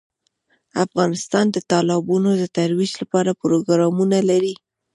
افغانستان د تالابونو د ترویج لپاره پروګرامونه لري.